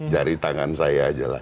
jari tangan saya aja lah